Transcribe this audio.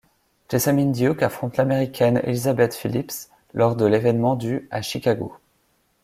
Jessamyn Duke affronte l'Américaine Elizabeth Phillips lors de l'événement du à Chicago.